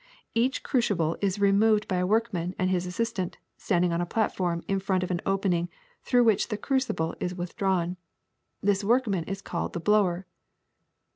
Each crucible is removed by a workman and his as sistant, standing on a platform in front of an open ing through which the crucible is withdrawn. This workman is called the blower.